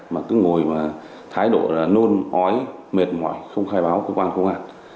mà cứ ngồi và thái độ nôn hói mệt mỏi không khai báo cơ quan không ngạc